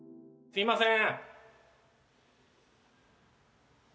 すみません。